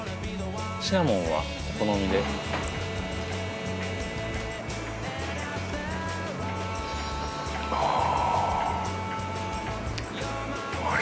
シナモンはお好みでうわっ